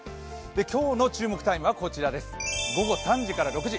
今日の注目タイムはこちら午後３時から６時。